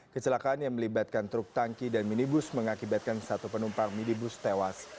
kecelakaan yang melibatkan truk tangki dan minibus mengakibatkan satu penumpang minibus tewas